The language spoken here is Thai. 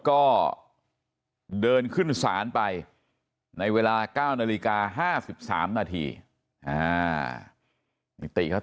ก็เดินขึ้นศาลไปในเวลา๙นาฬิกา๕๓นาทีนิติเขา